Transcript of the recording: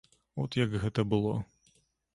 От як гэта было.